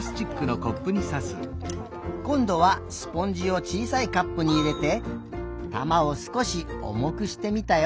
こんどはスポンジをちいさいカップにいれて玉をすこしおもくしてみたよ。